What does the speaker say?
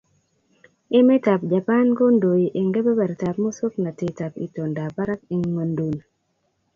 Emetab Japan kondoi eng kebebertab musoknatetab itondab barak eng ingwenduni.